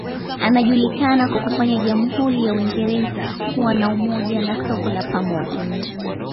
Anajulikana kwa kufanya jamhuri ya Uingereza kuwa na umoja na soko la pamoja.